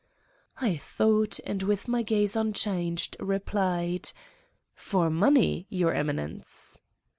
' I thought and with my gaze unchanged, replied : "For money, Your Eminence!"